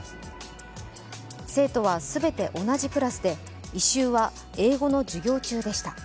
生徒は全て同じクラスで異臭は英語の授業中でした。